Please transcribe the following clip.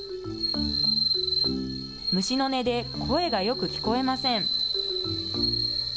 虫の音で声がよく聞こえません。